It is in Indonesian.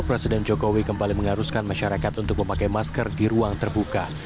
presiden jokowi kembali mengharuskan masyarakat untuk memakai masker di ruang terbuka